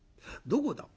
「どこだ？」。